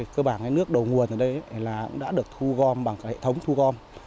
cơ bản nước đầu nguồn ở đây cũng đã được thu gom bằng hệ thống thu gom